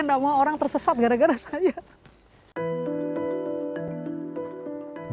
jenis tanah pulau pramuka yang berpasir menyebabkan daerah ini tidak bagus digunakan sebagai lahan pertanian